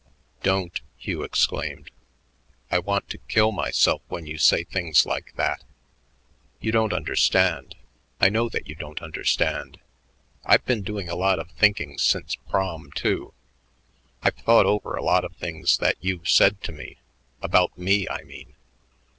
"Don't!" Hugh exclaimed. "I want to kill myself when you say things like that." "You don't understand. I know that you don't understand. I've been doing a lot of thinking since Prom, too. I've thought over a lot of things that you've said to me about me, I mean.